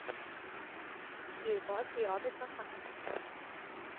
如果是我的真朋友